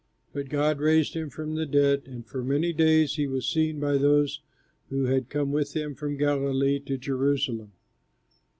But God raised him from the dead, and for many days he was seen by those who had come with him from Galilee to Jerusalem.